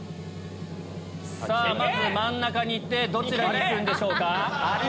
まず真ん中に行ってどちらに行くんでしょうか？